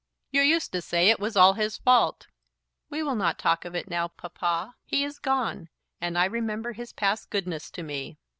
"You used to say it was all his fault." "We will not talk of it now, Papa. He is gone, and I remember his past goodness to me."